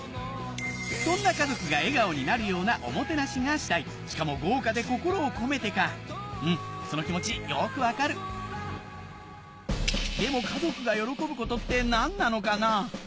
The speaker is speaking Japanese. そんな家族が笑顔になるようなおもてなしがしたいしかも豪華で心を込めてかその気持ちよく分かるでも家族が喜ぶことって何なのかな？